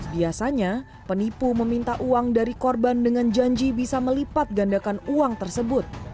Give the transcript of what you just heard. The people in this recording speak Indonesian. biasanya penipu meminta uang dari korban dengan janji bisa melipat gandakan uang tersebut